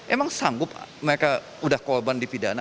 emang sanggup mereka sudah korban difidana